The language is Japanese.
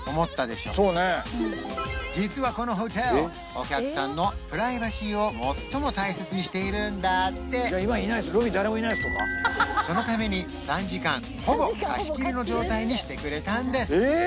そうね実はこのホテルお客さんのプライバシーを最も大切にしているんだってそのために３時間ほぼ貸し切りの状態にしてくれたんです！